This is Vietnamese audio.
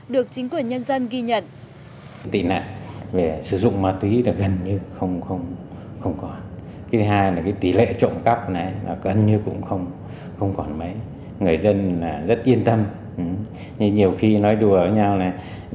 được chính quyền nhân dân ghi nhận